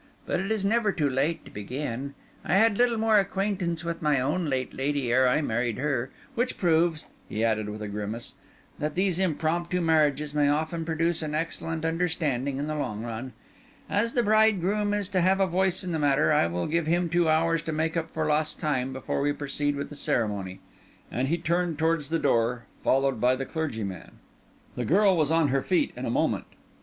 "But it is never too late to begin. I had little more acquaintance with my own late lady ere I married her; which proves," he added with a grimace, "that these impromptu marriages may often produce an excellent understanding in the long run. As the bridegroom is to have a voice in the matter, I will give him two hours to make up for lost time before we proceed with the ceremony." And he turned towards the door, followed by the clergyman. The girl was on her feet in a moment.